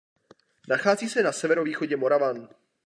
Nachází se na severovýchodě Moravan.